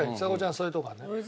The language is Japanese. そういうとこある。